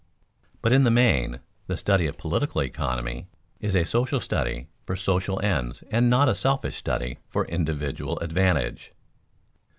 _But, in the main, the study of political economy is a social study for social ends and not a selfish study for individual advantage.